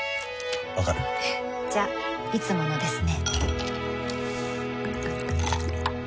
わかる？じゃいつものですね